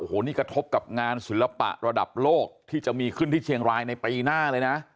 โอ้โหนี่กระทบกับงานศิลปะระดับโลกที่จะมีขึ้นที่เชียงรายในปีหน้าเลยนะ